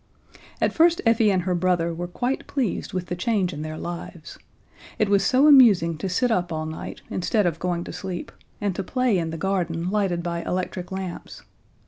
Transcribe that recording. At first Effie and her brother were quite pleased with the change in their lives. It was so amusing to sit up all night instead of going to sleep, and to play in the garden lighted by electric lamps.